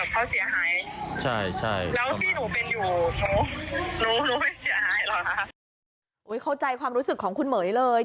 เข้าใจความรู้สึกของคุณเหม๋ยเลย